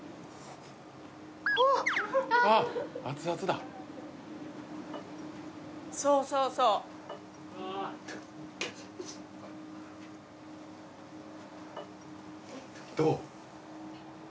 ほっあっ熱々だそうそうそうどう？